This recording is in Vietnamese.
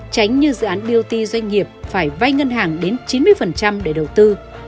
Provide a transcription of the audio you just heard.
tránh như dự án bioty doanh nghiệp phải vay ngân hàng đến chín mươi để đầu tư